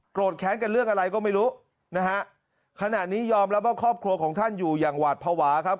แค้นกันเรื่องอะไรก็ไม่รู้นะฮะขณะนี้ยอมรับว่าครอบครัวของท่านอยู่อย่างหวาดภาวะครับ